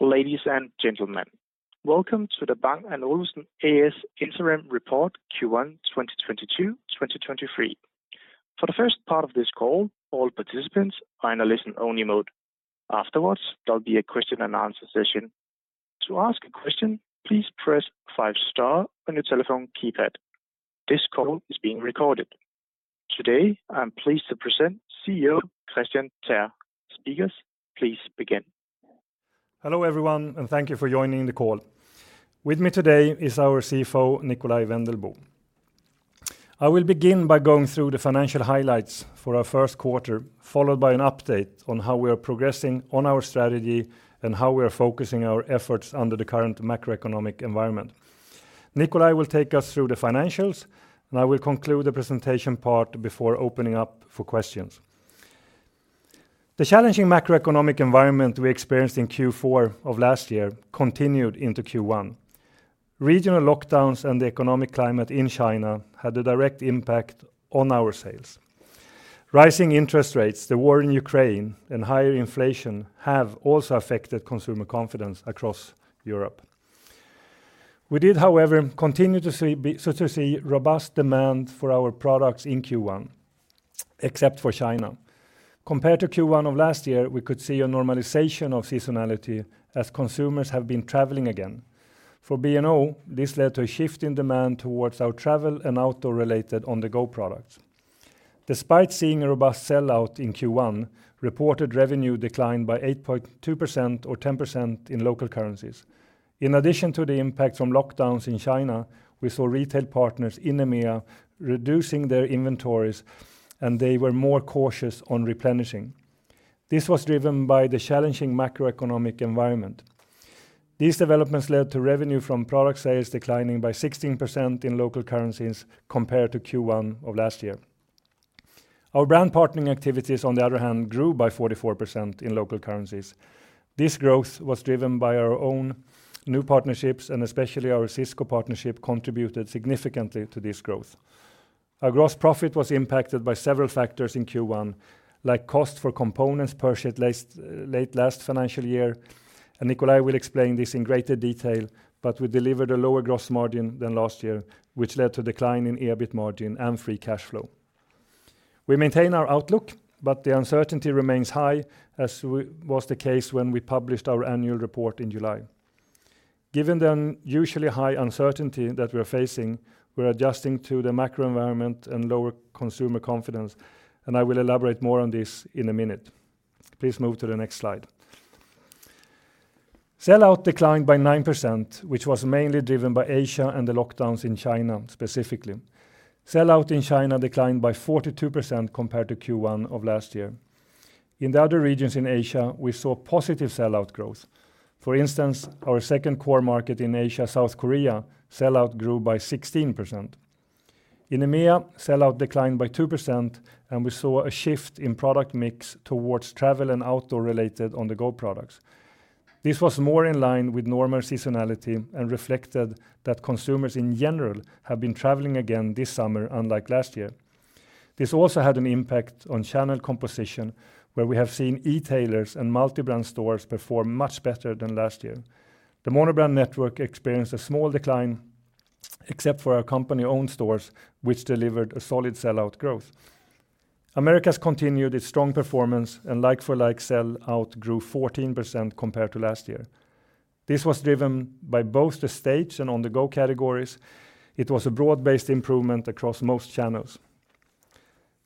Ladies and gentlemen, Welcome To The Bang & Olufsen A/S Interim Report Q1 2022/2023. For the first part of this call, all participants are in a listen-only mode. Afterwards, there'll be a question and answer session. To ask a question, please press five star on your telephone keypad. This call is being recorded. Today, I am pleased to present CEO Kristian Teär. Speakers, please begin. Hello, everyone, and thank you for joining the call. With me today is our CFO, Nikolaj Wendelboe. I will begin by going through the financial highlights for our first quarter, followed by an update on how we are progressing on our strategy and how we are focusing our efforts under the current macroeconomic environment. Nikolaj will take us through the financials, and I will conclude the presentation part before opening up for questions. The challenging macroeconomic environment we experienced in Q4 of last year continued into Q1. Regional lockdowns and the economic climate in China had a direct impact on our sales. Rising interest rates, the war in Ukraine, and higher inflation have also affected consumer confidence across Europe. We did, however, continue to see robust demand for our products in Q1, except for China. Compared to Q1 of last year, we could see a normalization of seasonality as consumers have been traveling again. For B&O, this led to a shift in demand towards our travel and outdoor related on-the-go products. Despite seeing a robust sell out in Q1, reported revenue declined by 8.2% or 10% in local currencies. In addition to the impact from lockdowns in China, we saw retail partners in EMEA reducing their inventories, and they were more cautious on replenishing. This was driven by the challenging macroeconomic environment. These developments led to revenue from product sales declining by 16% in local currencies compared to Q1 of last year. Our brand partnering activities, on the other hand, grew by 44% in local currencies. This growth was driven by our own new partnerships, and especially our Cisco partnership contributed significantly to this growth. Our gross profit was impacted by several factors in Q1, like cost for components purchased last, late last financial year, and Nikolaj will explain this in greater detail, but we delivered a lower gross margin than last year, which led to decline in EBIT margin and free cash flow. We maintain our outlook, but the uncertainty remains high, as was the case when we published our annual report in July. Given the unusually high uncertainty that we're facing, we're adjusting to the macro environment and lower consumer confidence, and I will elaborate more on this in a minute. Please move to the next slide. Sell out declined by 9%, which was mainly driven by Asia and the lockdowns in China, specifically. Sell out in China declined by 42% compared to Q1 of last year. In the other regions in Asia, we saw positive sell out growth. For instance, our second core market in Asia, South Korea, sell out grew by 16%. In EMEA, sell out declined by 2%, and we saw a shift in product mix towards travel and outdoor related on-the-go products. This was more in line with normal seasonality and reflected that consumers in general have been traveling again this summer, unlike last year. This also had an impact on channel composition, where we have seen e-tailers and multi-brand stores perform much better than last year. The mono-brand network experienced a small decline, except for our company-owned stores, which delivered a solid sell out growth. Americas continued its strong performance, and like for like sell out grew 14% compared to last year. This was driven by both the states and on-the-go categories. It was a broad-based improvement across most channels.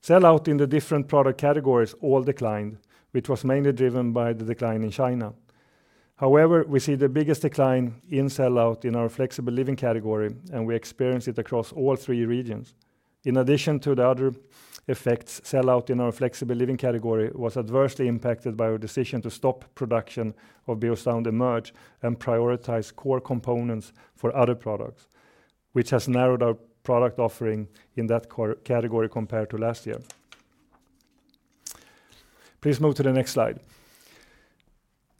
Sell out in the different product categories all declined, which was mainly driven by the decline in China. However, we see the biggest decline in sell out in our flexible living category, and we experience it across all three regions. In addition to the other effects, sell out in our flexible living category was adversely impacted by our decision to stop production of Beosound Emerge and prioritize core components for other products, which has narrowed our product offering in that category compared to last year. Please move to the next slide.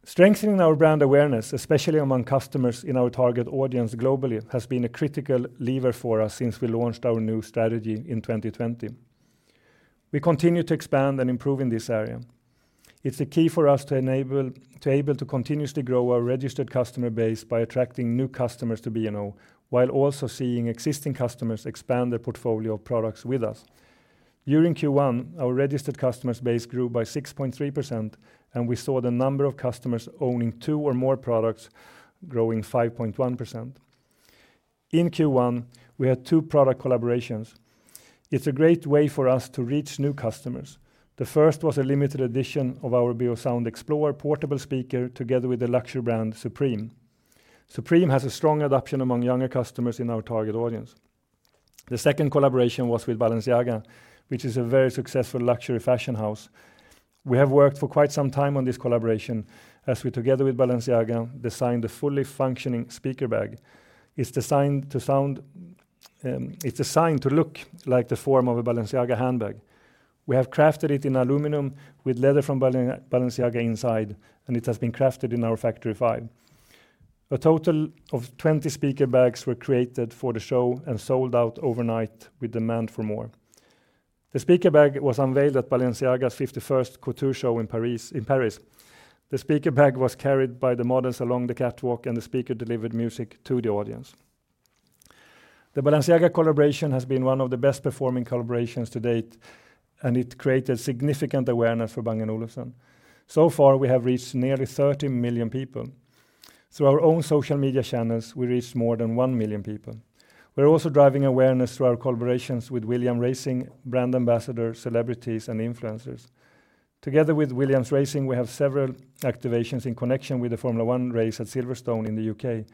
Strengthening our brand awareness, especially among customers in our target audience globally, has been a critical lever for us since we launched our new strategy in 2020. We continue to expand and improve in this area. It's a key for us to be able to continuously grow our registered customer base by attracting new customers to B&O while also seeing existing customers expand their portfolio of products with us. During Q1, our registered customer base grew by 6.3%, and we saw the number of customers owning two or more products growing 5.1%. In Q1, we had two product collaborations. It's a great way for us to reach new customers. The first was a limited edition of our Beosound Explore portable speaker together with the luxury brand Supreme. Supreme has a strong adoption among younger customers in our target audience. The second collaboration was with Balenciaga, which is a very successful luxury fashion house. We have worked for quite some time on this collaboration as we, together with Balenciaga, designed a fully functioning speaker bag. It's designed to look like the form of a Balenciaga handbag. We have crafted it in aluminum with leather from Balenciaga inside, and it has been crafted in our Factory 5. A total of 20 speaker bags were created for the show and sold out overnight with demand for more. The speaker bag was unveiled at Balenciaga's 51st couture show in Paris. The speaker bag was carried by the models along the catwalk, and the speaker delivered music to the audience. The Balenciaga collaboration has been one of the best-performing collaborations to date, and it created significant awareness for Bang & Olufsen. So far, we have reached nearly 30 million people. Through our own social media channels, we reached more than 1 million people. We're also driving awareness through our collaborations with Williams Racing, brand ambassadors, celebrities, and influencers. Together with Williams Racing, we have several activations in connection with the Formula One race at Silverstone in the UK.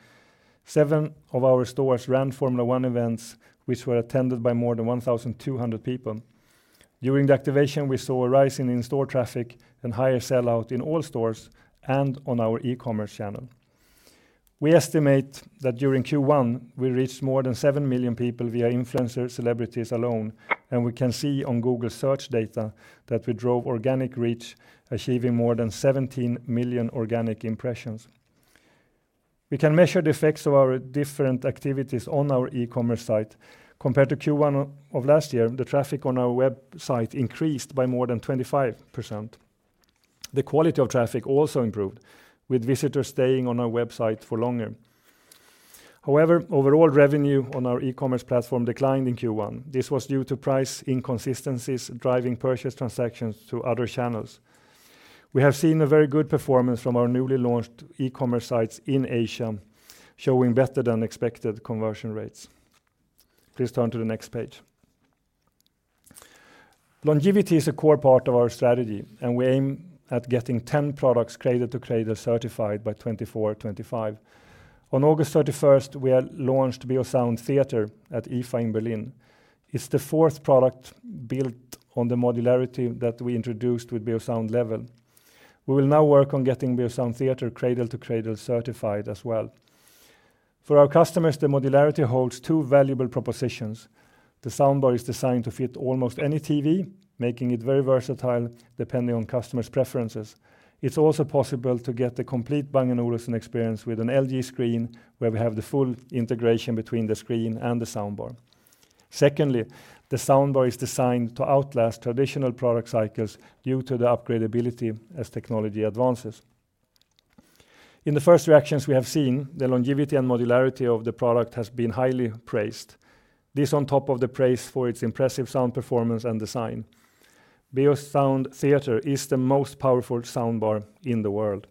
Seven of our stores ran Formula One events which were attended by more than 1,200 people. During the activation, we saw a rise in in-store traffic and higher sell-out in all stores and on our e-commerce channel. We estimate that during Q1, we reached more than 7 million people via influencers, celebrities alone, and we can see on Google search data that we drove organic reach, achieving more than 17 million organic impressions. We can measure the effects of our different activities on our e-commerce site. Compared to Q1 of last year, the traffic on our website increased by more than 25%. The quality of traffic also improved, with visitors staying on our website for longer. However, overall revenue on our e-commerce platform declined in Q1. This was due to price inconsistencies driving purchase transactions to other channels. We have seen a very good performance from our newly launched e-commerce sites in Asia, showing better-than-expected conversion rates. Please turn to the next page. Longevity is a core part of our strategy, and we aim at getting 10 products Cradle to Cradle certified by 2024, 2025. On August 31st, we launched Beosound Theatre at IFA in Berlin. It's the fourth product built on the modularity that we introduced with Beosound Level. We will now work on getting Beosound Theatre Cradle to Cradle certified as well. For our customers, the modularity holds two valuable propositions. The soundbar is designed to fit almost any TV, making it very versatile depending on customers' preferences. It's also possible to get the complete Bang & Olufsen experience with an LG screen, where we have the full integration between the screen and the soundbar. Secondly, the soundbar is designed to outlast traditional product cycles due to the upgradeability as technology advances. In the first reactions we have seen, the longevity and modularity of the product has been highly praised. This on top of the praise for its impressive sound performance and design. Beosound Theatre is the most powerful soundbar in the world.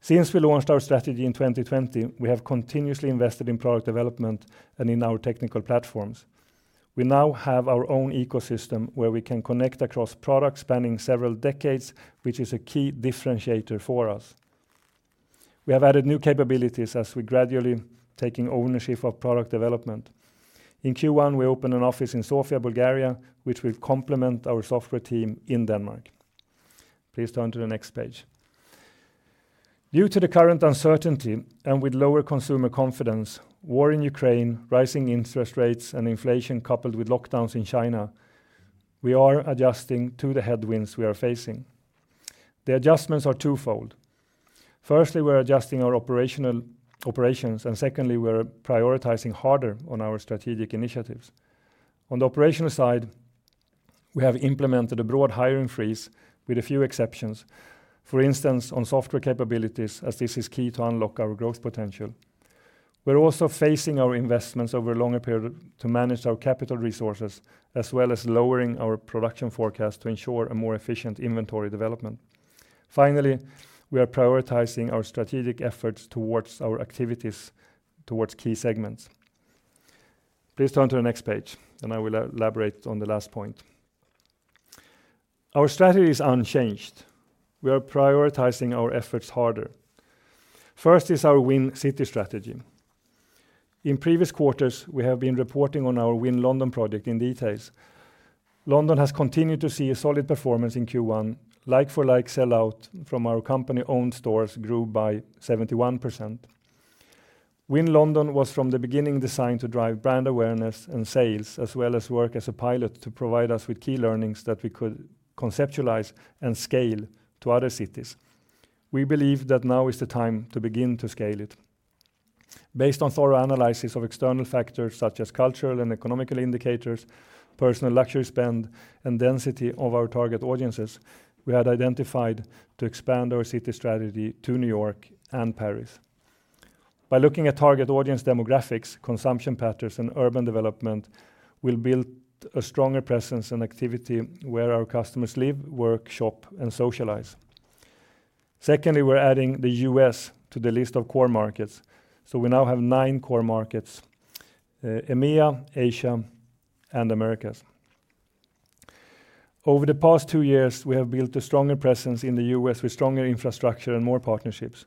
Since we launched our strategy in 2020, we have continuously invested in product development and in our technical platforms. We now have our own ecosystem where we can connect across products spanning several decades, which is a key differentiator for us. We have added new capabilities as we're gradually taking ownership of product development. In Q1, we opened an office in Sofia, Bulgaria, which will complement our software team in Denmark. Please turn to the next page. Due to the current uncertainty and with lower consumer confidence, war in Ukraine, rising interest rates, and inflation coupled with lockdowns in China, we are adjusting to the headwinds we are facing. The adjustments are twofold. Firstly, we're adjusting our operational operations, and secondly, we're prioritizing harder on our strategic initiatives. On the operational side, we have implemented a broad hiring freeze with a few exceptions. For instance, on software capabilities, as this is key to unlock our growth potential. We're also phasing our investments over a longer period to manage our capital resources, as well as lowering our production forecast to ensure a more efficient inventory development. Finally, we are prioritizing our strategic efforts towards our activities towards key segments. Please turn to the next page, and I will elaborate on the last point. Our strategy is unchanged. We are prioritizing our efforts harder. First is our Win City strategy. In previous quarters, we have been reporting on our Win London project in detail. London has continued to see a solid performance in Q1, like for like sell-out from our company-owned stores grew by 71%. Win London was from the beginning designed to drive brand awareness and sales, as well as work as a pilot to provide us with key learnings that we could conceptualize and scale to other cities. We believe that now is the time to begin to scale it. Based on thorough analysis of external factors such as cultural and economic indicators, personal luxury spend, and density of our target audiences, we had identified to expand our city strategy to New York and Paris. By looking at target audience demographics, consumption patterns, and urban development, we'll build a stronger presence and activity where our customers live, work, shop, and socialize. Secondly, we're adding the US to the list of core markets, so we now have nine core markets, EMEA, Asia, and Americas. Over the past two years, we have built a stronger presence in the US with stronger infrastructure and more partnerships.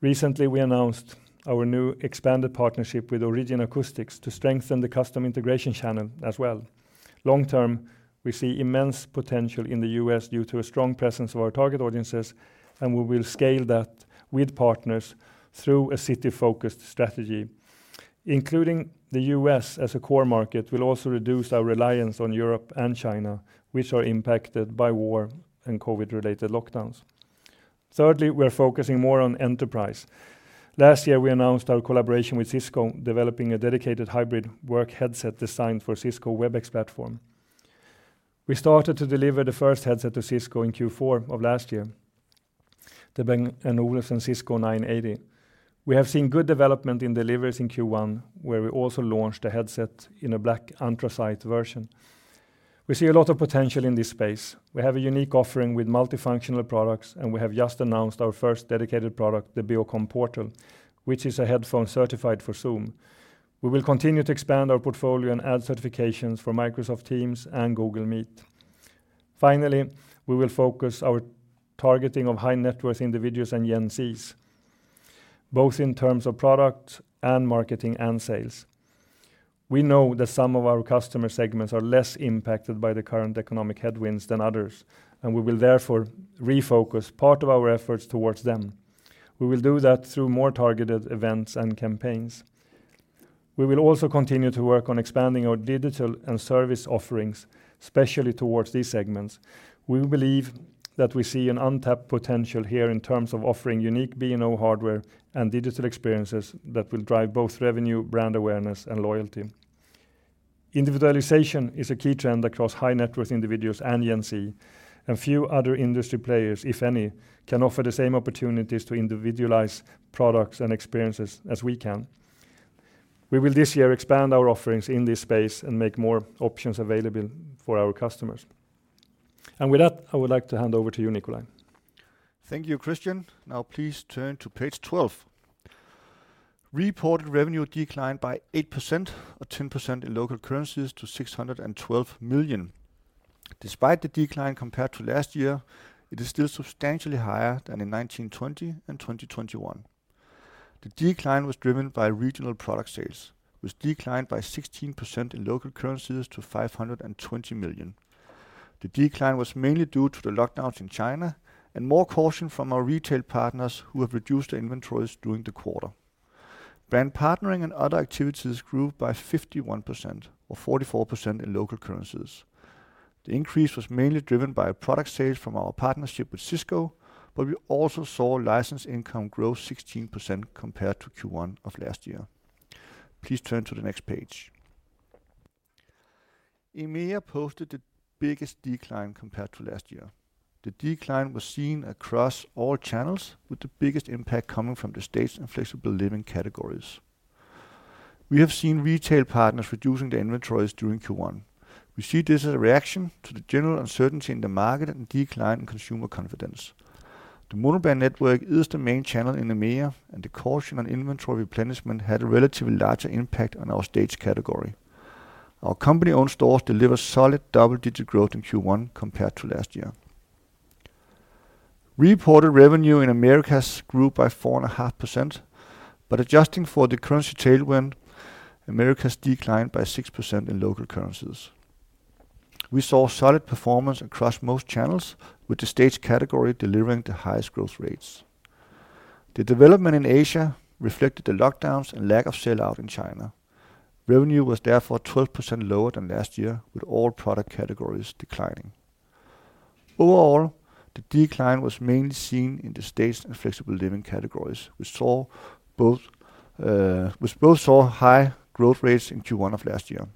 Recently, we announced our new expanded partnership with Origin Acoustics to strengthen the custom integration channel as well. Long-term, we see immense potential in the US due to a strong presence of our target audiences, and we will scale that with partners through a city-focused strategy. Including the US as a core market will also reduce our reliance on Europe and China, which are impacted by war and COVID-related lockdowns. Thirdly, we are focusing more on enterprise. Last year, we announced our collaboration with Cisco, developing a dedicated hybrid work headset designed for Cisco Webex platform. We started to deliver the first headset to Cisco in Q4 of last year, the Bang & Olufsen Cisco 980. We have seen good development in deliveries in Q1, where we also launched a headset in a black anthracite version. We see a lot of potential in this space. We have a unique offering with multifunctional products, and we have just announced our first dedicated product, the Beocom Portal, which is a headphone certified for Zoom. We will continue to expand our portfolio and add certifications for Microsoft Teams and Google Meet. Finally, we will focus our targeting of high-net-worth individuals and Gen Z, both in terms of product and marketing and sales. We know that some of our customer segments are less impacted by the current economic headwinds than others, and we will therefore refocus part of our efforts towards them. We will do that through more targeted events and campaigns. We will also continue to work on expanding our digital and service offerings, especially towards these segments. We believe that we see an untapped potential here in terms of offering unique B&O hardware and digital experiences that will drive both revenue, brand awareness and loyalty. Individualization is a key trend across high-net-worth individuals and Gen Z, and few other industry players, if any, can offer the same opportunities to individualize products and experiences as we can. We will this year expand our offerings in this space and make more options available for our customers. With that, I would like to hand over to you, Nikolaj. Thank you, Kristian. Now please turn to page 12. Reported revenue declined by 8% or 10% in local currencies to 612 million. Despite the decline compared to last year, it is still substantially higher than in 2020 and 2021. The decline was driven by regional product sales, which declined by 16% in local currencies to 520 million. The decline was mainly due to the lockdowns in China and more caution from our retail partners, who have reduced their inventories during the quarter. Brand partnering and other activities grew by 51% or 44% in local currencies. The increase was mainly driven by product sales from our partnership with Cisco, but we also saw license income grow 16% compared to Q1 of last year. Please turn to the next page. EMEA posted the biggest decline compared to last year. The decline was seen across all channels, with the biggest impact coming from the staged and flexible living categories. We have seen retail partners reducing their inventories during Q1. We see this as a reaction to the general uncertainty in the market and decline in consumer confidence. The mono-brand network is the main channel in EMEA, and the caution on inventory replenishment had a relatively larger impact on our staged category. Our company-owned stores delivered solid double-digit growth in Q1 compared to last year. Reported revenue in Americas grew by 4.5%, but adjusting for the currency tailwind, Americas declined by 6% in local currencies. We saw solid performance across most channels, with the staged category delivering the highest growth rates. The development in Asia reflected the lockdowns and lack of sell-out in China. Revenue was therefore 12% lower than last year, with all product categories declining. Overall, the decline was mainly seen in the staged and flexible living categories, which both saw high growth rates in Q1 of last year.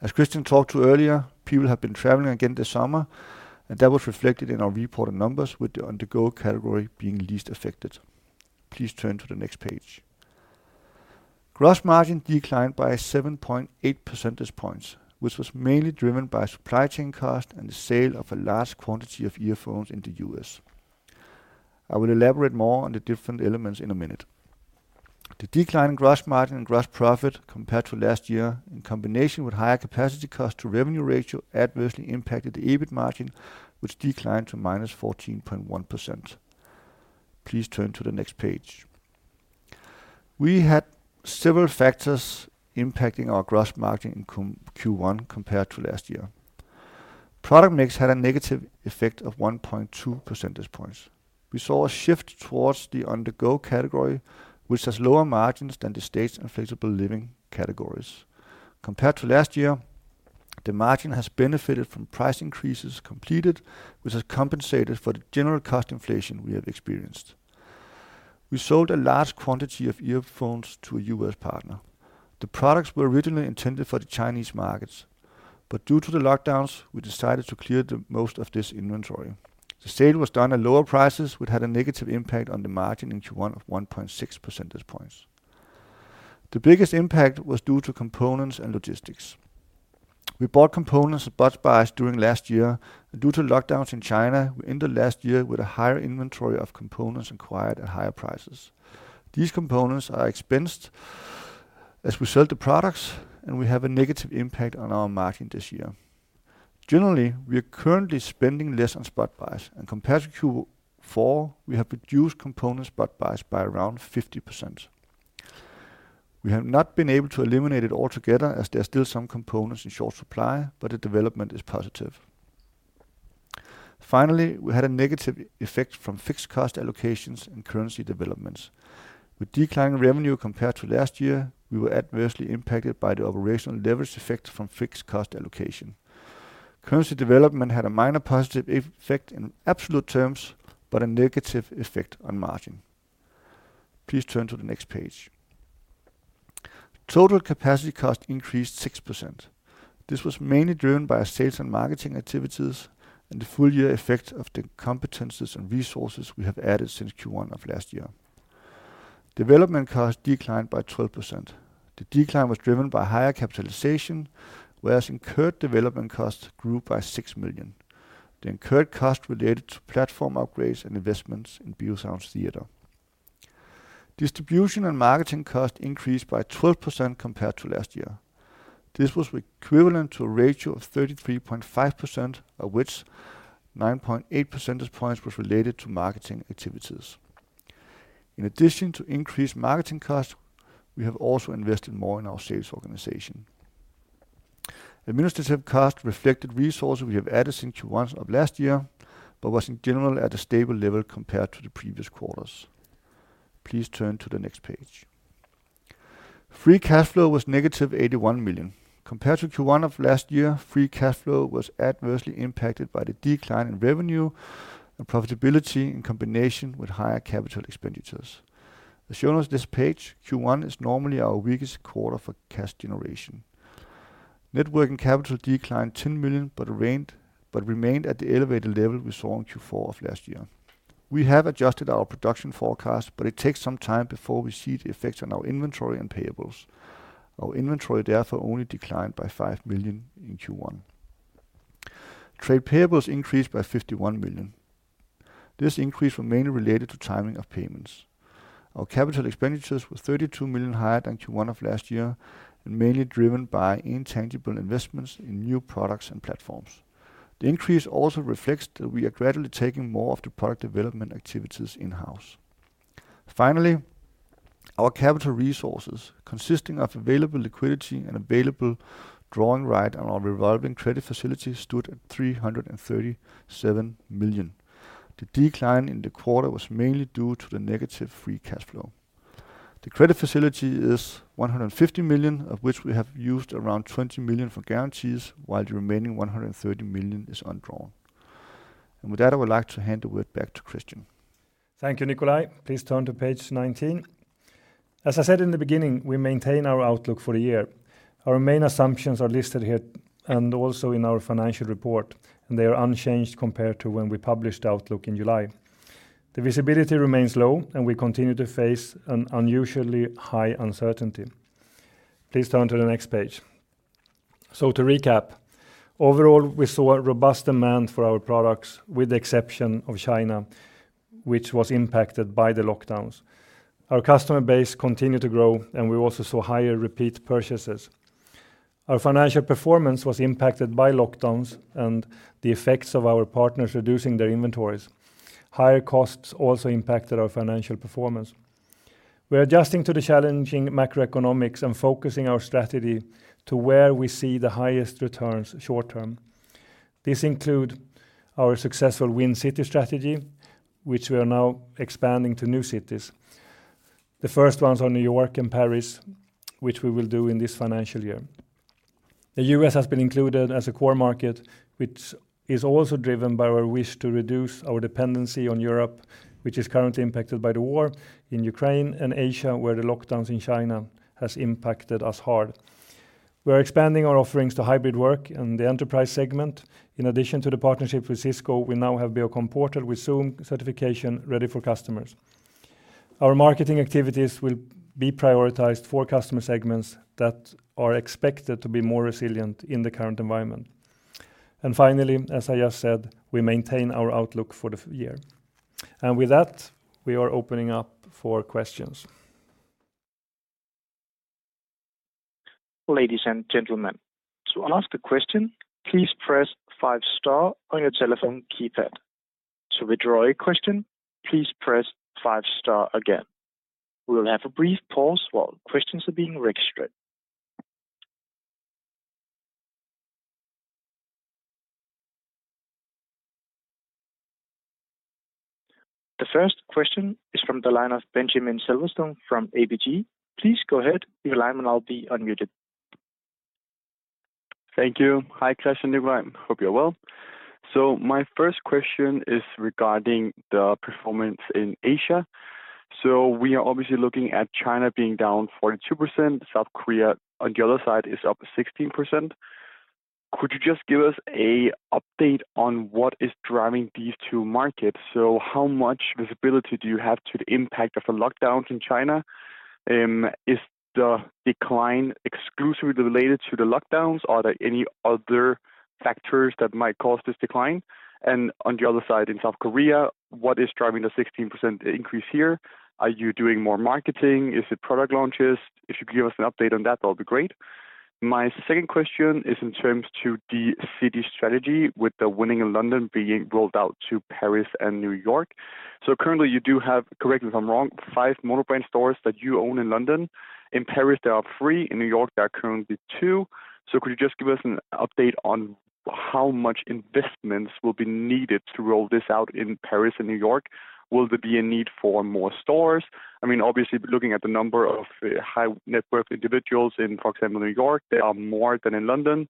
As Kristian talked to earlier, people have been traveling again this summer, and that was reflected in our reported numbers, with the on-the-go category being least affected. Please turn to the next page. Gross margin declined by 7.8 percentage points, which was mainly driven by supply chain cost and the sale of a large quantity of earphones in the US I will elaborate more on the different elements in a minute. The decline in gross margin and gross profit compared to last year, in combination with higher capacity cost to revenue ratio adversely impacted the EBIT margin, which declined to -14.1%. Please turn to the next page. We had several factors impacting our gross margin in Q1 compared to last year. Product mix had a negative effect of 1.2 percentage points. We saw a shift towards the on-the-go category, which has lower margins than the staged and flexible living categories. Compared to last year, the margin has benefited from price increases completed, which has compensated for the general cost inflation we have experienced. We sold a large quantity of earphones to a US partner. The products were originally intended for the Chinese markets, but due to the lockdowns, we decided to clear the most of this inventory. The sale was done at lower prices, which had a negative impact on the margin in Q1 of 1.6 percentage points. The biggest impact was due to components and logistics. We bought components at spot price during last year. Due to lockdowns in China, we ended last year with a higher inventory of components acquired at higher prices. These components are expensed as we sell the products, and we have a negative impact on our margin this year. Generally, we are currently spending less on spot price, and compared to Q4, we have reduced component spot price by around 50%. We have not been able to eliminate it altogether, as there are still some components in short supply, but the development is positive. Finally, we had a negative effect from fixed cost allocations and currency developments. With declining revenue compared to last year, we were adversely impacted by the operational leverage effect from fixed cost allocation. Currency development had a minor positive effect in absolute terms, but a negative effect on margin. Please turn to the next page. Total capacity cost increased 6%. This was mainly driven by sales and marketing activities and the full year effect of the competencies and resources we have added since Q1 of last year. Development cost declined by 12%. The decline was driven by higher capitalization, whereas incurred development costs grew by 6 million. The incurred cost related to platform upgrades and investments in Beosound Theatre. Distribution and marketing cost increased by 12% compared to last year. This was equivalent to a ratio of 33.5%, of which 9.8 percentage points was related to marketing activities. In addition to increased marketing costs, we have also invested more in our sales organization. Administrative cost reflected resources we have added since Q1 of last year, but was in general at a stable level compared to the previous quarters. Please turn to the next page. Free cash flow was -81 million. Compared to Q1 of last year, free cash flow was adversely impacted by the decline in revenue and profitability in combination with higher capital expenditures. As shown on this page, Q1 is normally our weakest quarter for cash generation. Net working capital declined 10 million, but remained at the elevated level we saw in Q4 of last year. We have adjusted our production forecast, but it takes some time before we see the effects on our inventory and payables. Our inventory therefore only declined by 5 million in Q1. Trade payables increased by 51 million. This increase were mainly related to timing of payments. Our capital expenditures were 32 million higher than Q1 of last year, and mainly driven by intangible investments in new products and platforms. The increase also reflects that we are gradually taking more of the product development activities in-house. Finally, our capital resources consisting of available liquidity and available drawing right on our revolving credit facility stood at 337 million. The decline in the quarter was mainly due to the negative free cash flow. The credit facility is 150 million, of which we have used around 20 million for guarantees, while the remaining 130 million is undrawn. With that, I would like to hand the word back to Kristian. Thank you, Nikolaj. Please turn to page 19. As I said in the beginning, we maintain our outlook for the year. Our main assumptions are listed here and also in our financial report, and they are unchanged compared to when we published outlook in July. The visibility remains low, and we continue to face an unusually high uncertainty. Please turn to the next page. To recap, overall, we saw a robust demand for our products, with the exception of China, which was impacted by the lockdowns. Our customer base continued to grow, and we also saw higher repeat purchases. Our financial performance was impacted by lockdowns and the effects of our partners reducing their inventories. Higher costs also impacted our financial performance. We are adjusting to the challenging macroeconomics and focusing our strategy to where we see the highest returns short term. This includes our successful Win City strategy, which we are now expanding to new cities. The first ones are New York and Paris, which we will do in this financial year. The US has been included as a core market, which is also driven by our wish to reduce our dependency on Europe, which is currently impacted by the war in Ukraine and Asia, where the lockdowns in China have impacted us hard. We are expanding our offerings to hybrid work and the enterprise segment. In addition to the partnership with Cisco, we now have Beocom Portal with Zoom certification ready for customers. Our marketing activities will be prioritized for customer segments that are expected to be more resilient in the current environment. Finally, as I just said, we maintain our outlook for the financial year. With that, we are opening up for questions. Ladies and gentlemen, to ask a question, please press five star on your telephone keypad. To withdraw your question, please press five star again. We will have a brief pause while questions are being registered. The first question is from the line of Benjamin Silverstone from ABG. Please go ahead. Your line will now be unmuted. Thank you. Hi, Kristian and Nikolaj. Hope you're well. My first question is regarding the performance in Asia. We are obviously looking at China being down 42%. South Korea on the other side is up 16%. Could you just give us an update on what is driving these two markets? How much visibility do you have to the impact of the lockdowns in China? Is the decline exclusively related to the lockdowns? Are there any other factors that might cause this decline? In South Korea, what is driving the 16% increase here? Are you doing more marketing? Is it product launches? If you could give us an update on that would be great. My second question is in terms of the Win City strategy with the Win London being rolled out to Paris and New York. Currently you do have, correct me if I'm wrong, five monobrand stores that you own in London. In Paris, there are three, in New York, there are currently two. Could you just give us an update on how much investments will be needed to roll this out in Paris and New York? Will there be a need for more stores? I mean, obviously, looking at the number of high net worth individuals in, for example, New York, they are more than in London.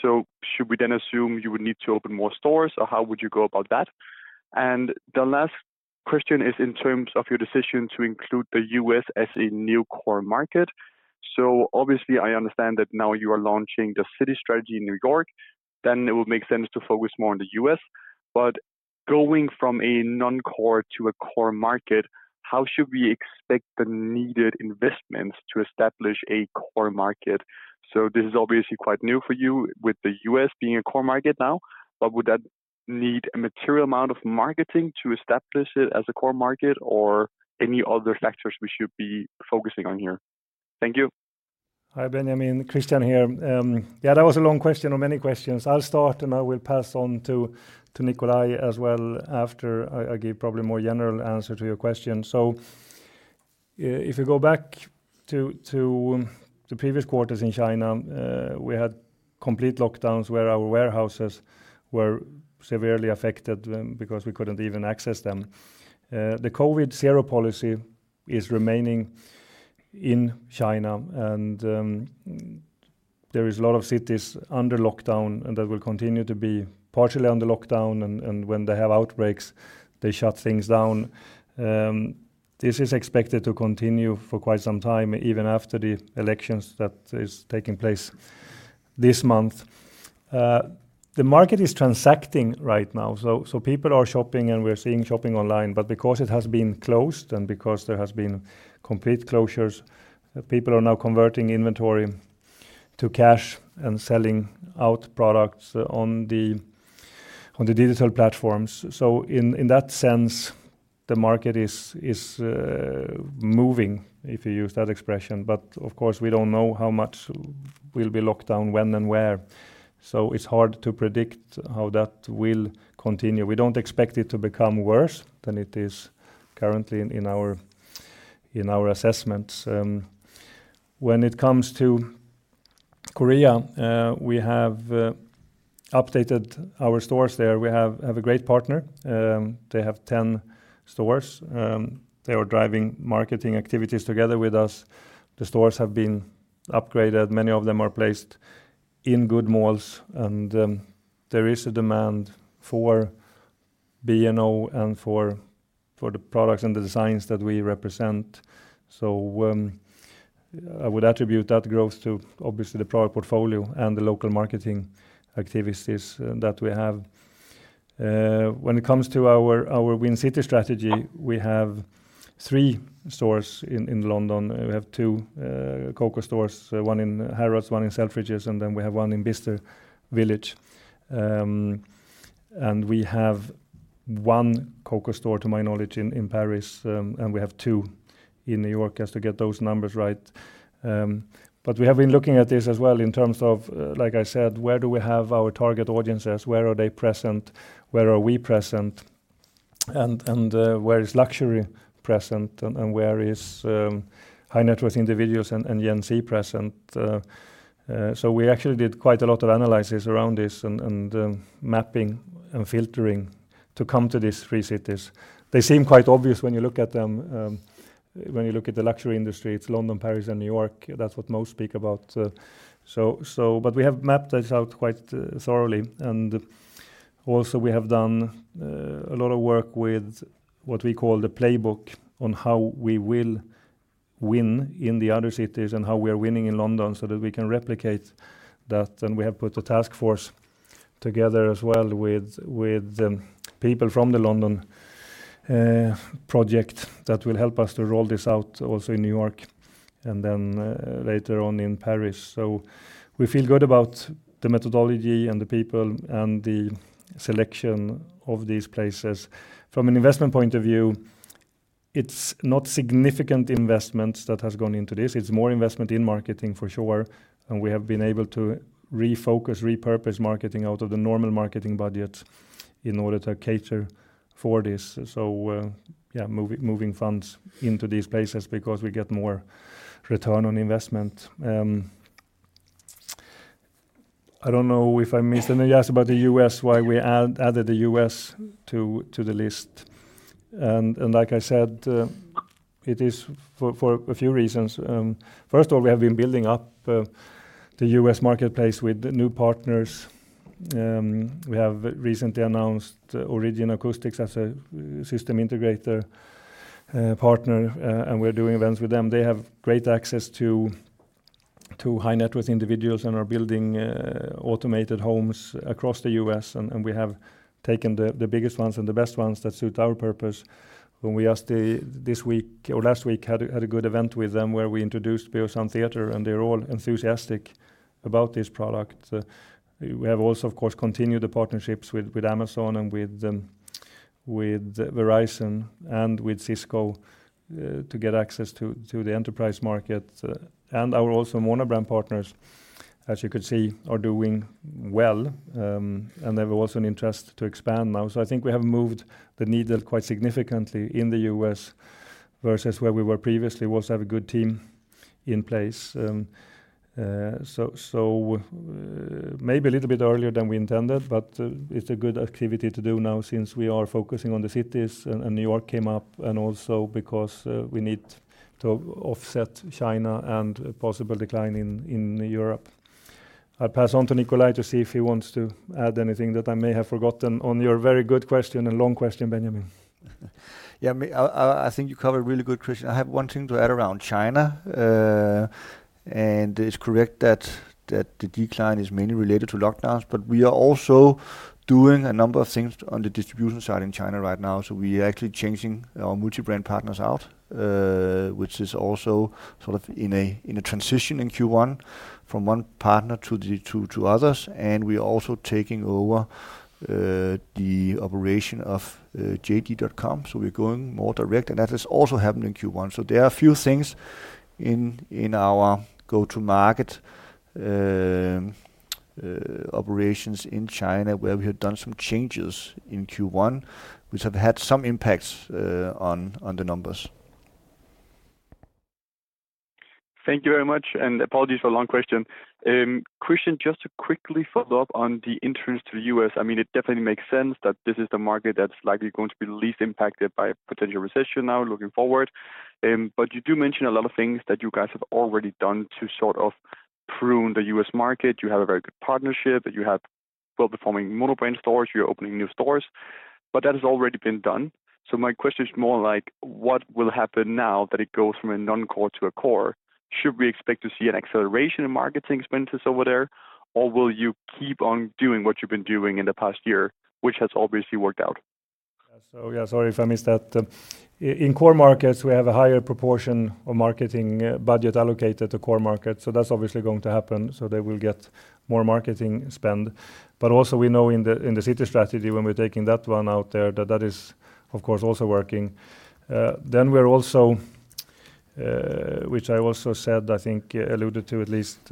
Should we then assume you would need to open more stores, or how would you go about that? The last question is in terms of your decision to include the US as a new core market. Obviously, I understand that now you are launching the Win City strategy in New York, then it will make sense to focus more on the US Going from a non-core to a core market, how should we expect the needed investments to establish a core market? This is obviously quite new for you with the US being a core market now, but would that need a material amount of marketing to establish it as a core market or any other factors we should be focusing on here? Thank you. Hi, Benjamin. Kristian here. Yeah, that was a long question or many questions. I'll start, and I will pass on to Nikolaj as well after I give probably more general answer to your question. If you go back to the previous quarters in China, we had complete lockdowns where our warehouses were severely affected because we couldn't even access them. The COVID zero policy is remaining in China, and there is a lot of cities under lockdown, and that will continue to be partially under lockdown and when they have outbreaks, they shut things down. This is expected to continue for quite some time, even after the elections that is taking place this month. The market is transacting right now, so people are shopping, and we're seeing shopping online. Because it has been closed and because there has been complete closures, people are now converting inventory to cash and selling out products on the digital platforms. In that sense, the market is moving, if you use that expression. Of course, we don't know how much will be locked down when and where. It's hard to predict how that will continue. We don't expect it to become worse than it is currently in our assessments. When it comes to Korea, we have updated our stores there. We have a great partner. They have 10 stores. They are driving marketing activities together with us. The stores have been upgraded. Many of them are placed in good malls, and there is a demand for B&O and for the products and the designs that we represent. I would attribute that growth to obviously the product portfolio and the local marketing activities that we have. When it comes to our Win City strategy, we have three stores in London. We have two concession stores, one in Harrods, one in Selfridges, and then we have one in Bicester Village. We have one corner store, to my knowledge, in Paris, and we have two in New York, just to get those numbers right. We have been looking at this as well in terms of, like I said, where do we have our target audiences? Where are they present? Where are we present? Where is luxury present? Where are high-net-worth individuals and UHNWI present? We actually did quite a lot of analysis around this and mapping and filtering to come to these three cities. They seem quite obvious when you look at them. When you look at the luxury industry, it's London, Paris and New York. That's what most speak about. But we have mapped this out quite thoroughly. We have done a lot of work with what we call the playbook on how we will win in the other cities and how we are winning in London so that we can replicate that. We have put a task force together as well with people from the London project that will help us to roll this out also in New York and then later on in Paris. We feel good about the methodology and the people and the selection of these places. From an investment point of view, it's not significant investments that has gone into this. It's more investment in marketing for sure, and we have been able to refocus, repurpose marketing out of the normal marketing budget in order to cater for this. Moving funds into these places because we get more return on investment. I don't know if I missed. You asked about the US, why we added the US to the list. Like I said, it is for a few reasons. First of all, we have been building up the US marketplace with new partners. We have recently announced Origin Acoustics as a system integrator partner, and we're doing events with them. They have great access to high net worth individuals and are building automated homes across the US We have taken the biggest ones and the best ones that suit our purpose. We had a good event with them where we introduced Beosound Theatre, and they're all enthusiastic about this product. We have also, of course, continued the partnerships with Amazon and with Verizon and with Cisco to get access to the enterprise market. Our mono-brand partners, as you could see, are doing well, and there was an interest to expand now. I think we have moved the needle quite significantly in the US versus where we were previously. We have a good team in place. Maybe a little bit earlier than we intended, but it's a good activity to do now since we are focusing on the cities and New York came up and also because we need to offset China and a possible decline in Europe. I'll pass on to Nikolaj to see if he wants to add anything that I may have forgotten on your very good question and long question, Benjamin. Yeah. I think you covered a really good question. I have one thing to add around China. It's correct that the decline is mainly related to lockdowns, but we are also doing a number of things on the distribution side in China right now. We are actually changing our multi-brand partners out, which is also sort of in a transition in Q1 from one partner to others. We are also taking over the operation of JD.com, we are going more direct, and that has also happened in Q1. There are a few things in our go-to-market operations in China where we have done some changes in Q1, which have had some impacts on the numbers. Thank you very much, and apologies for a long question. Kristian Teär, just to quickly follow up on the entrance to the US I mean, it definitely makes sense that this is the market that's likely going to be least impacted by a potential recession now looking forward. But you do mention a lot of things that you guys have already done to sort of prune the US market. You have a very good partnership, that you have well-performing mono-brand stores. You're opening new stores, but that has already been done. My question is more like what will happen now that it goes from a non-core to a core? Should we expect to see an acceleration in marketing expenses over there, or will you keep on doing what you've been doing in the past year, which has obviously worked out? Yeah, sorry if I missed that. In core markets, we have a higher proportion of marketing budget allocated to core markets, so that's obviously going to happen. They will get more marketing spend. We know in the city strategy when we're taking that one out there, that is of course also working. Which I also said, I think, alluded to at least,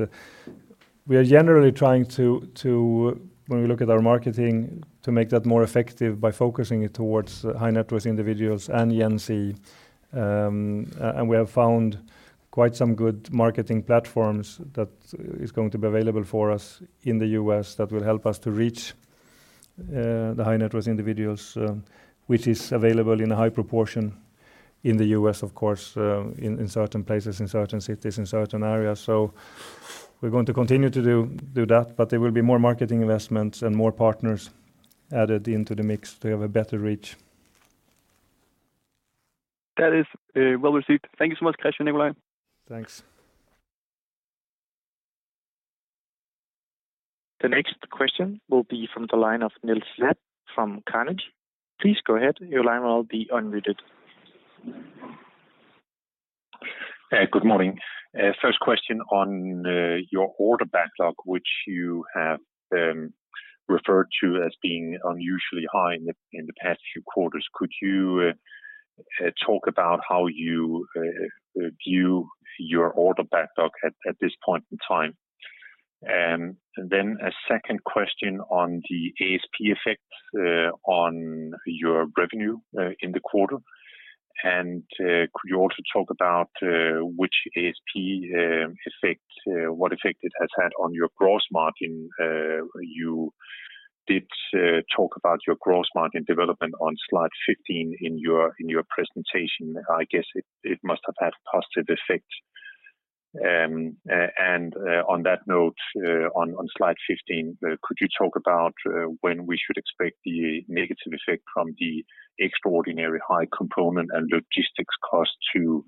we are generally trying to, when we look at our marketing, to make that more effective by focusing it towards high-net-worth individuals and UHNWI. We have found quite some good marketing platforms that is going to be available for us in the US that will help us to reach the high-net-worth individuals, which is available in a high proportion in the US, of course, in certain places, in certain areas. We're going to continue to do that, but there will be more marketing investments and more partners added into the mix to have a better reach. That is, well received. Thank you so much, Kristian Teär and Nikolaj Wendelboe. Thanks. The next question will be from the line of Niels Granholm-Leth from Carnegie. Please go ahead. Your line will be unmuted. Good morning. First question on your order backlog, which you have referred to as being unusually high in the past few quarters. Could you talk about how you view your order backlog at this point in time? A second question on the ASP effects on your revenue in the quarter. Could you also talk about what effect it has had on your gross margin? You did talk about your gross margin development on slide 15 in your presentation. I guess it must have had positive effect. On that note, on slide 15, could you talk about when we should expect the negative effect from the extraordinary high component and logistics cost to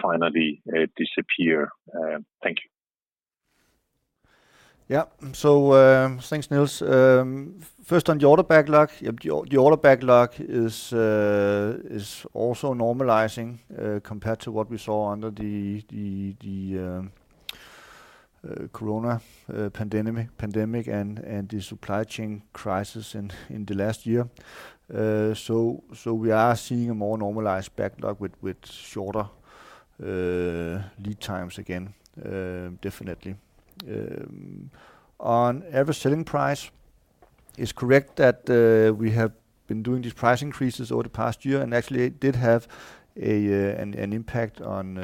finally disappear? Thank you. Yeah. Thanks, Niels. First on the order backlog. Yep. The order backlog is also normalizing compared to what we saw under the COVID pandemic and the supply chain crisis in the last year. So we are seeing a more normalized backlog with shorter lead times again, definitely. On average selling price, it's correct that we have been doing these price increases over the past year, and actually it did have an impact on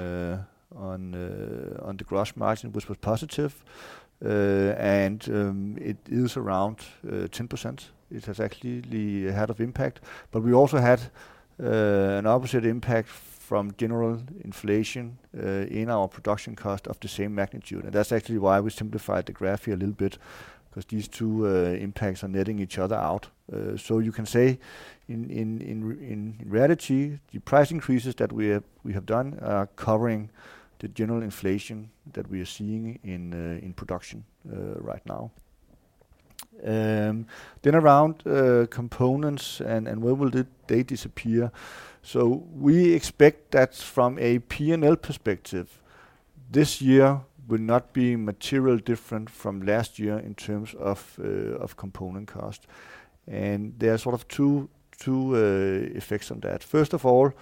the gross margin, which was positive. It is around 10%. It has actually had an impact. But we also had an opposite impact from general inflation in our production cost of the same magnitude. That's actually why we simplified the graph here a little bit, 'cause these two impacts are netting each other out. You can say in reality, the price increases that we have done are covering the general inflation that we are seeing in production right now. Around components and when will they disappear. We expect that from a P&L perspective. This year will not be materially different from last year in terms of component cost. There are sort of two effects on that. First of all,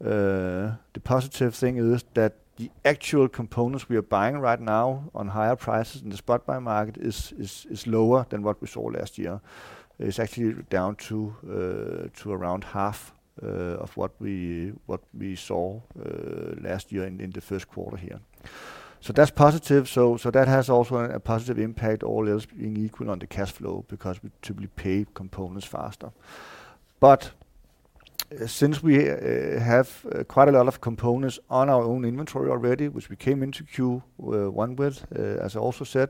the positive thing is that the actual components we are buying right now at higher prices in the spot buy market is lower than what we saw last year. It's actually down to around half of what we saw last year in the first quarter here. That's positive. That has also a positive impact, all else being equal, on the cash flow because we typically pay for components faster. Since we have quite a lot of components on our own inventory already, which we came into Q1 with, as I also said,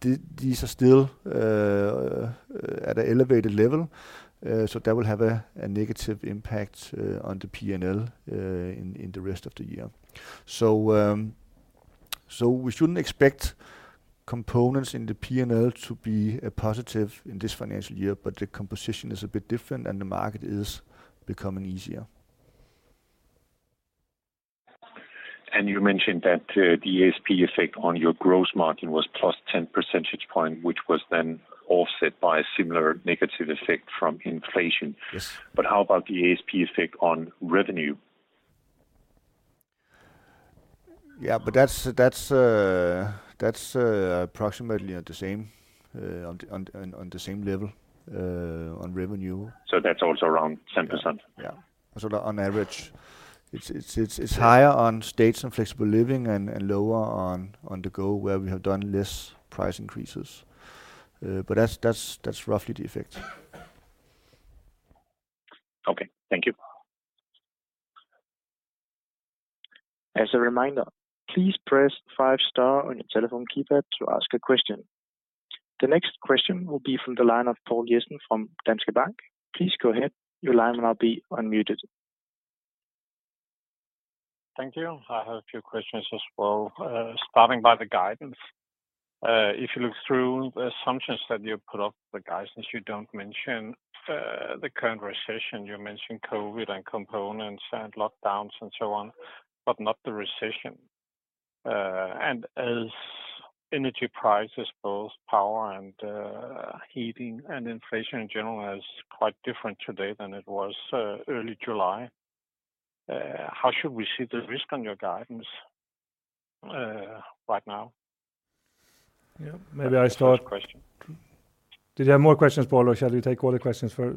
these are still at an elevated level, so that will have a negative impact on the P&L in the rest of the year. We shouldn't expect components in the P&L to be a positive in this financial year, but the composition is a bit different, and the market is becoming easier. You mentioned that the ASP effect on your gross margin was plus 10 percentage point, which was then offset by a similar negative effect from inflation. Yes. How about the ASP effect on revenue? Yeah. That's approximately at the same level on revenue. That's also around 10%? On average. It's higher on States and Flexible Living and lower on To Go, where we have done less price increases. That's roughly the effect. Okay. Thank you. As a reminder, please press five star on your telephone keypad to ask a question. The next question will be from the line of Poul Jessen from Danske Bank. Please go ahead. Your line will now be unmuted. Thank you. I have a few questions as well, starting by the guidance. If you look through the assumptions that you put up the guidance, you don't mention the current recession. You mention COVID and components and lockdowns and so on, but not the recession. As energy prices, both power and heating and inflation in general is quite different today than it was early July, how should we see the risk on your guidance right now? Yeah. Maybe I start. That's the first question. Did you have more questions, Poul, or shall we take all the questions? Okay.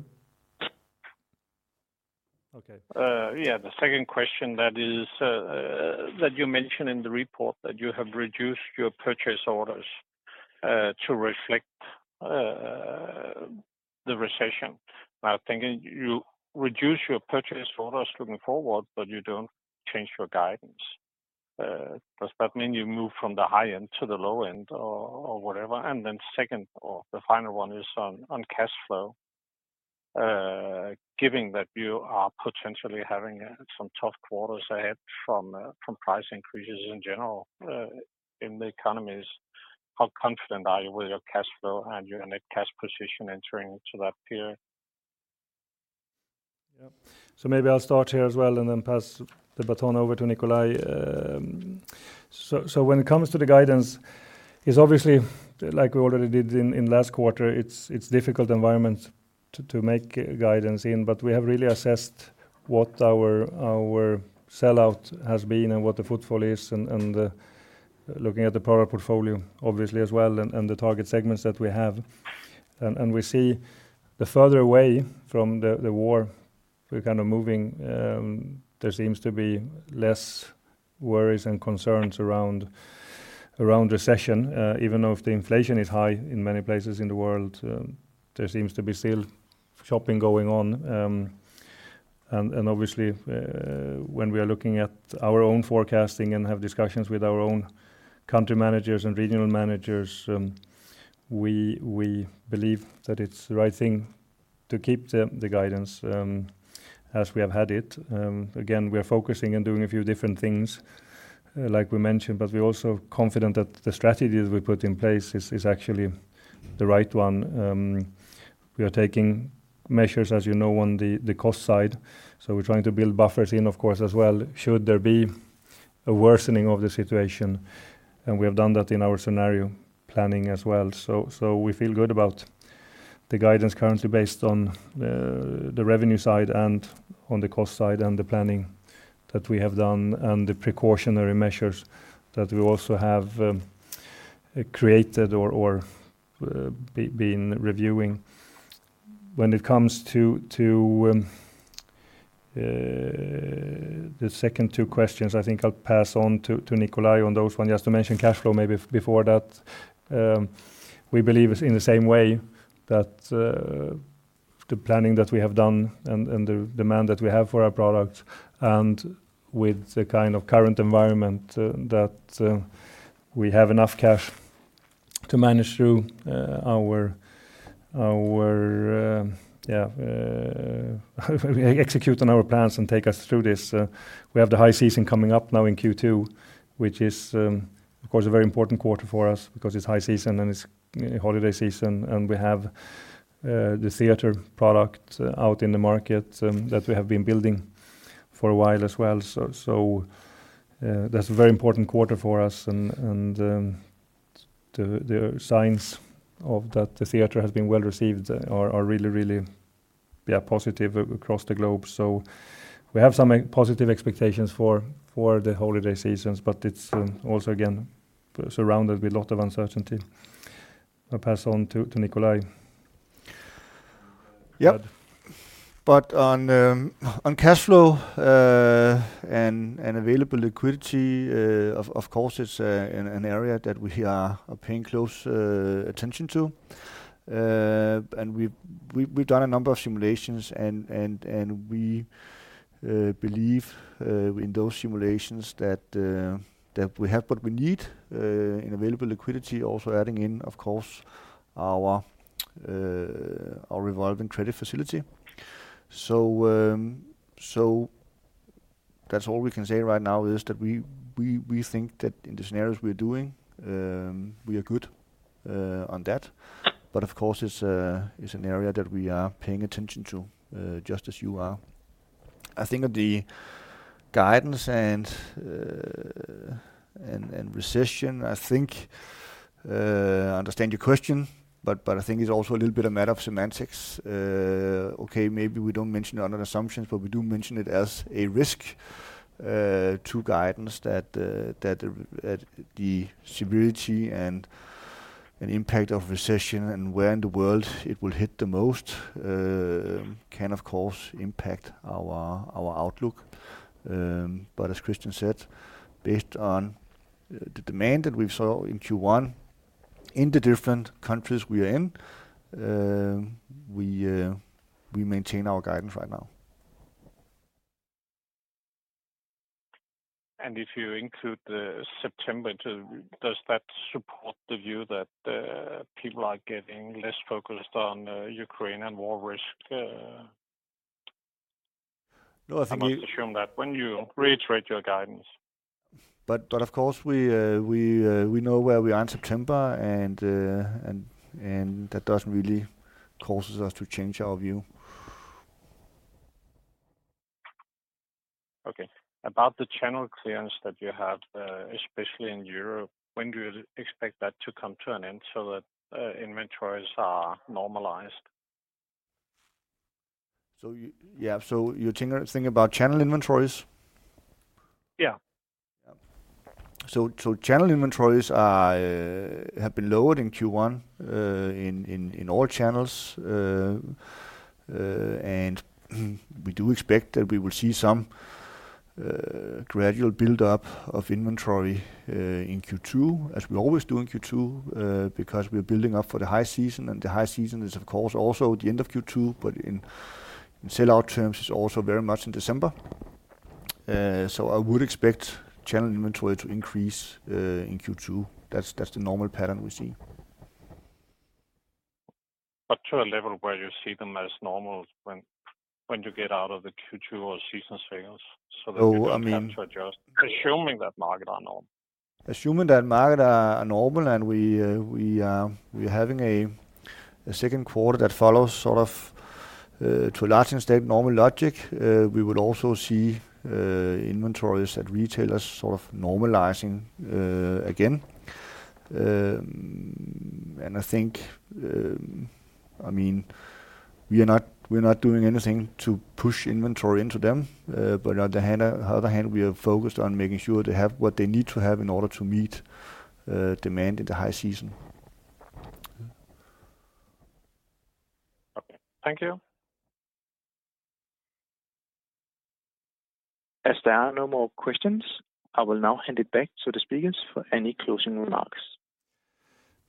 Yeah, the second question that you mention in the report that you have reduced your purchase orders to reflect the recession. Now, I'm thinking you reduce your purchase orders looking forward, but you don't change your guidance. Does that mean you move from the high end to the low end or whatever? Then second, or the final one is on cash flow. Given that you are potentially having some tough quarters ahead from price increases in general in the economies, how confident are you with your cash flow and your net cash position entering that period? Yeah. Maybe I'll start here as well and then pass the baton over to Nikolaj. When it comes to the guidance, it's obviously like we already did in last quarter, it's difficult environment to make guidance in. But we have really assessed what our sellout has been and what the footfall is and looking at the product portfolio obviously as well and the target segments that we have. We see the further away from the war we're kind of moving, there seems to be less worries and concerns around recession. Even though if the inflation is high in many places in the world, there seems to be still shopping going on. Obviously, when we are looking at our own forecasting and have discussions with our own country managers and regional managers, we believe that it's the right thing to keep the guidance as we have had it. Again, we are focusing on doing a few different things, like we mentioned, but we're also confident that the strategies we put in place is actually the right one. We are taking measures, as you know, on the cost side, so we're trying to build buffers in, of course, as well, should there be a worsening of the situation, and we have done that in our scenario planning as well. We feel good about the guidance currently based on the revenue side and on the cost side and the planning that we have done and the precautionary measures that we also have created or been reviewing. When it comes to the second two questions, I think I'll pass on to Nikolaj on those ones. Just to mention cash flow maybe before that, we believe in the same way that the planning that we have done and the demand that we have for our product and with the kind of current environment that we have enough cash to manage through our execute on our plans and take us through this. We have the high season coming up now in Q2, which is, of course, a very important quarter for us because it's high season and it's holiday season, and we have the Theatre product out in the market that we have been building for a while as well. That's a very important quarter for us and the signs that the Theatre has been well received are really positive across the globe. We have some positive expectations for the holiday seasons, but it's also again surrounded with a lot of uncertainty. I'll pass on to Nikolaj. Yep. On cash flow and available liquidity, of course, it's an area that we are paying close attention to. We've done a number of simulations and we believe in those simulations that we have what we need in available liquidity also adding in, of course, our revolving credit facility. That's all we can say right now is that we think that in the scenarios we're doing, we are good on that. Of course, it's an area that we are paying attention to, just as you are. I think I understand your question, but I think it's also a little bit a matter of semantics. Okay, maybe we don't mention it under assumptions, but we do mention it as a risk to guidance that the severity and impact of recession and where in the world it will hit the most can of course impact our outlook. As Kristian said, based on the demand that we saw in Q1 in the different countries we are in, we maintain our guidance right now. If you include the September to. Does that support the view that people are getting less focused on Ukraine and war risk? No, I think. I must assume that when you reiterate your guidance. Of course, we know where we are in September and that doesn't really cause us to change our view. Okay. About the channel clearance that you have, especially in Europe, when do you expect that to come to an end so that inventories are normalized? Yeah. You're thinking about channel inventories? Yeah. Channel inventories have been lowered in Q1 in all channels. We do expect that we will see some gradual build up of inventory in Q2, as we always do in Q2, because we're building up for the high season, and the high season is of course also the end of Q2, but in sellout terms is also very much in December. I would expect channel inventory to increase in Q2. That's the normal pattern we see. To a level where you see them as normal when you get out of the Q2 or season sales so that you don't have to adjust. I mean. Assuming that markets are normal. Assuming that markets are normal and we're having a second quarter that follows sort of to a large extent normal logic, we would also see inventories at retailers sort of normalizing again. I think, I mean, we're not doing anything to push inventory into them. On the other hand, we are focused on making sure they have what they need to have in order to meet demand in the high season. Okay. Thank you. As there are no more questions, I will now hand it back to the speakers for any closing remarks.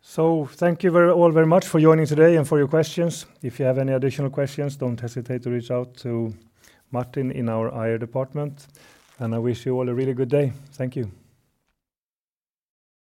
Thank you very, all very much for joining today and for your questions. If you have any additional questions, don't hesitate to reach out to Martin in our IR department. I wish you all a really good day. Thank you.